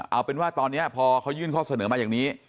เอาเป็นว่าตอนนี้พอเขายื่นข้อเสนอมาอย่างนี้